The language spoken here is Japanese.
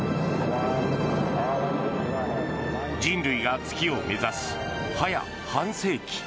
人類が月を目指し、早半世紀。